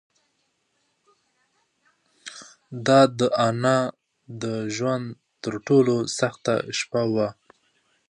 دا د انا د ژوند تر ټولو سخته شپه وه.